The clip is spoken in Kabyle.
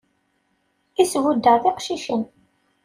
I as-buddeɣ d iqcicen.